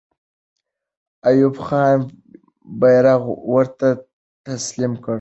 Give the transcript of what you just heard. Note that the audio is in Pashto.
ایوب خان بیرغ ورته تسلیم کړ.